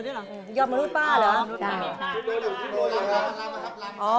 รับรับรับ